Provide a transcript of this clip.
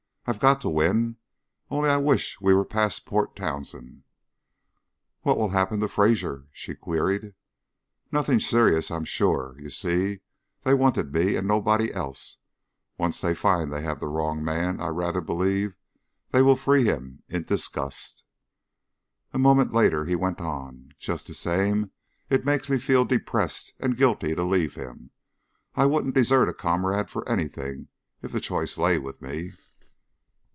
"I've got to win; only I wish we were past Port Townsend." "What will happen to Fraser?" she queried. "Nothing serious, I am sure. You see, they wanted me, and nobody else; once they find they have the wrong man I rather believe they will free him in disgust." A moment later he went on: "Just the same, it makes me feel depressed and guilty to leave him I I wouldn't desert a comrade for anything if the choice lay with me."